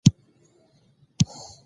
عرضه او تقاضا نرخ ټاکي